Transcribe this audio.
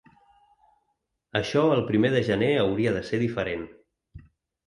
Això el primer de gener hauria de ser diferent.